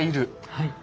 はい。